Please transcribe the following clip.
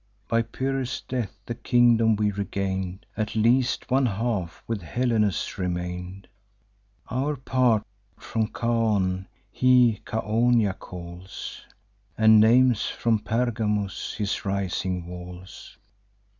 By Pyrrhus' death the kingdom we regain'd: At least one half with Helenus remain'd. Our part, from Chaon, he Chaonia calls, And names from Pergamus his rising walls.